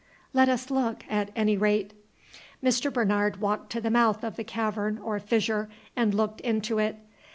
Let us look, at any rate. Mr. Bernard walked to the mouth of the cavern or fissure and looked into it.